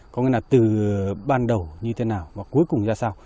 có nghĩa là từ ban đầu như thế nào và cuối cùng ra sao